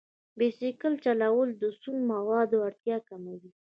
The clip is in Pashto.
بایسکل چلول د سون موادو اړتیا کموي.